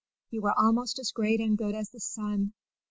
you are almost as great and good as the sun!